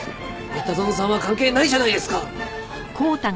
三田園さんは関係ないじゃないですか！